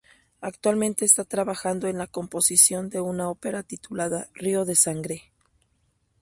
Actualmente está trabajando en la composición de una ópera titulada "Río de Sangre".